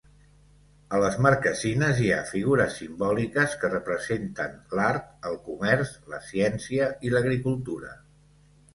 A les marquesines hi ha figures simbòliques que representen l'art, el comerç, la ciència i l'agricultura.